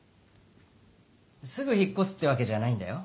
すぐ引っこすってわけじゃないんだよ。